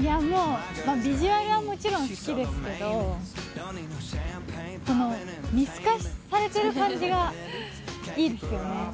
いやもう、ビジュアルはもちろん好きですけど、この見透かされてる感じがいいですよね。